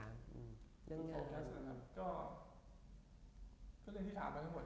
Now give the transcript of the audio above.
โฟกัสหนึ่งครับก็ก็เรื่องที่ถามกันทั้งหมดเนี่ย